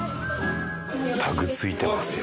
タグ付いてますよ